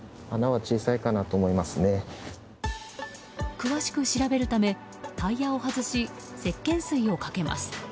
詳しく調べるためタイヤを外しせっけん水をかけます。